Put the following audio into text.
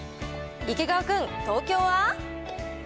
池川君、東京は？